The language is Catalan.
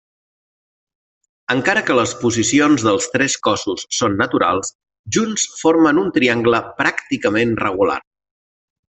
Encara que les posicions dels tres cossos són naturals, junts formen un triangle pràcticament regular.